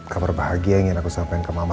kabar bahagia ingin aku sampaikan ke mama